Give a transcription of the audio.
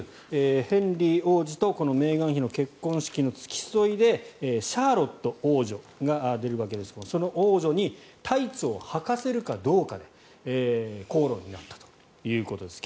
ヘンリー王子とメーガン妃の結婚式の付き添いでシャーロット王女が出るわけですがその王女にタイツをはかせるかどうかで口論になったということです。